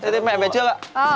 thế mẹ về trước ạ